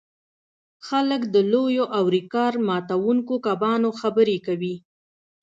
خلک د لویو او ریکارډ ماتوونکو کبانو خبرې کوي